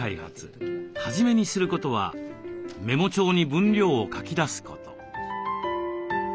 初めにすることはメモ帳に分量を書き出すこと。